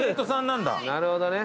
なるほどね。